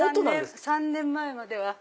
３年前までは。